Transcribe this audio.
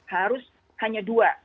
harus hanya dua